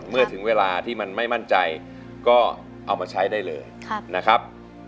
เมื่อถึงเวลาที่มันไม่มั่นใจก็เอามาใช้ได้เลยนะครับ